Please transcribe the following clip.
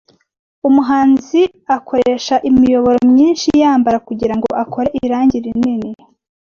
Umuhanzi akoresha imiyoboro myinshi yamabara kugirango akore irangi rinini.